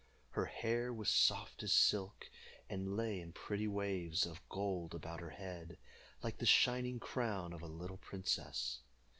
Her hair was soft as silk, and lay in pretty waves of gold about her head, like the shining crown of a little princess.